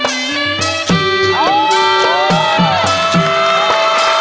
มีชื่อว่าโนราตัวอ่อนครับ